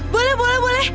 boleh boleh boleh